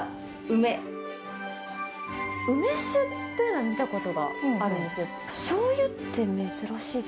梅酒っていうのは見たことがあるんですけど、しょうゆって珍しい。